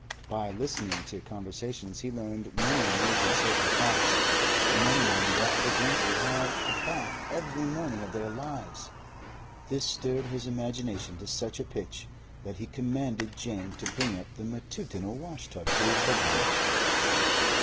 By listening to conversations he learned many amazing social facts; among them that the gentry had a bath every morning of their lives. This stirred his imagination to such a pitch that he commanded Jane to bring up the matutinal washtub to his bedroom.